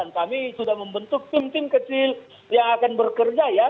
dan kami sudah membentuk tim tim kecil yang akan bekerja ya